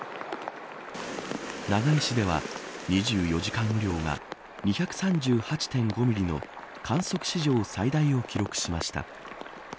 長井市では２４時間雨量が２３８．５ミリの観測史上最大を記録しました。